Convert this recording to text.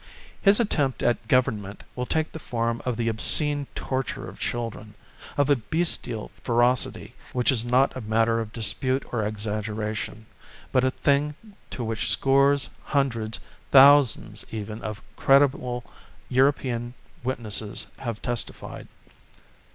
His attempt at Government will take the form of the obscene torture of children, of a bestial ferocity which is not a matter of dispute or exaggeration, but a thing to which scores, hundreds, thousands even of credible European, witnesses have testified.